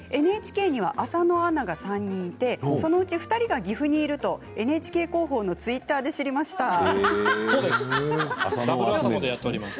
ＮＨＫには浅野アナが３人いてそのうち２人が岐阜にいるとＮＨＫ広報のツイッターで知りました。